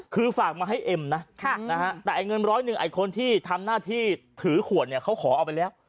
คือฝากมาให้เอ็มนะแต่เงิน๑๐๐บาทคนที่ทำหน้าที่ถือขวดเขาขอเอาไปแล้ว